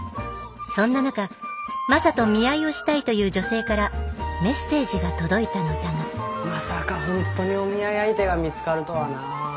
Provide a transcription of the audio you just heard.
そんな中マサと見合いをしたいという女性からメッセージが届いたのだがまさかほんとにお見合い相手が見つかるとはな。